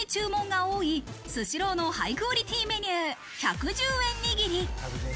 格安でダントツに注文が多いスシローのハイクオリティーメニュー、１１０円にぎり。